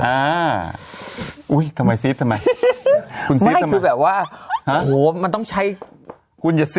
อ่าอุ้ยทำไมทำไมคุณคือแบบว่าอ่าโอ้โหมันต้องใช้คุณอย่า